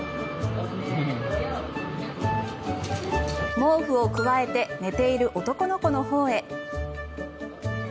毛布をくわえて寝ている男の子のほうへ。